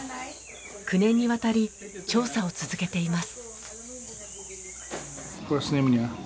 ９年にわたり調査を続けています。